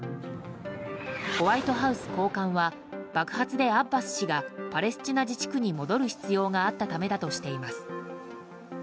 ホワイトハウス高官は爆発でアッバス氏がパレスチナ自治区に戻る必要があったためだとしています。